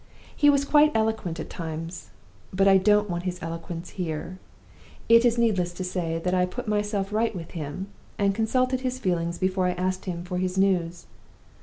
He was quite eloquent at times; but I don't want his eloquence here. It is needless to say that I put myself right with him, and consulted his feelings before I asked him for his news.